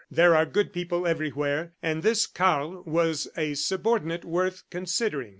There are good people everywhere, and this Karl was a subordinate worth considering.